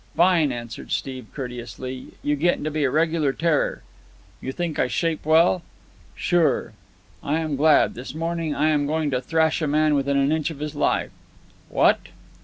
"Fine," answered Steve courteously. "You're gettin' to be a regular terror." "You think I shape well?" "Sure." "I am glad. This morning I am going to thrash a man within an inch of his life." "What!"